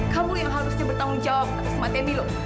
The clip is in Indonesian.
kamu yang harusnya bertanggung jawab atas kematian nilo